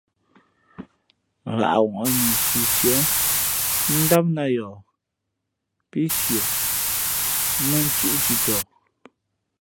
Ghǎʼŋwαʼnǐ siī sʉα ndām nāt yαα pí sʉα mᾱ nthʉ̄ʼ ntʉtɔ.